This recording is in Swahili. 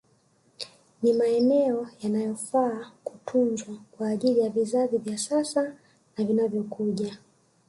Ni maeneo yanayofaa kutunzwa kwa ajili ya vizazi vya sasa na vinavyokuja